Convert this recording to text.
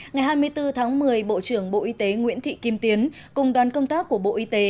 ngày hai mươi bốn tháng một mươi bộ trưởng bộ y tế nguyễn thị kim tiến cùng đoàn công tác của bộ y tế